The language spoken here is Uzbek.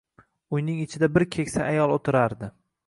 Uyning ichida bir keksa ayol o`tirardi